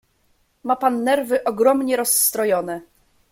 "Ma pan nerwy ogromnie rozstrojone."